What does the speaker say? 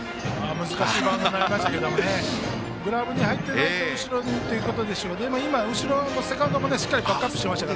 難しいバウンドでしたけどグラブに入ってないと後ろへというところでしたがでも後ろはセカンドもしっかりバックアップしていました。